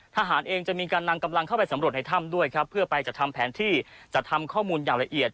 ทหารเองจะมีการนำกำลังเข้าไปสำรวจในถ้ำด้วยครับเพื่อไปจัดทำแผนที่จะทำข้อมูลอย่างละเอียด